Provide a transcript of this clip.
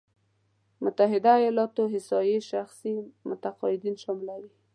متحده ایالات احصایې شخصي مقاعدين شاملوي.